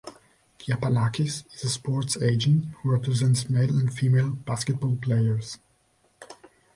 Giapalakis is a sports agent who represents male and female basketball players.